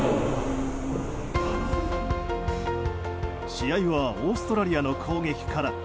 試合はオーストラリアの攻撃から。